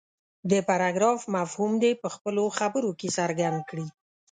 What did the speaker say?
د پراګراف مفهوم دې په خپلو خبرو کې څرګند کړي.